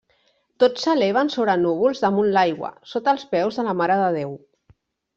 Tots s'eleven sobre núvols damunt l'aigua, sota els peus de la Mare de Déu.